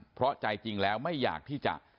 เพราะใจจริงแล้วไม่อยากที่จะ